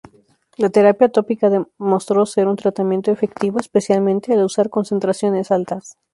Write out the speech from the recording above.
La terapia tópica de mostro ser un tratamiento efectivo, especialmente al usar concentraciones altas.